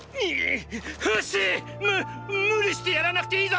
フシ！む無理してやらなくていいぞ！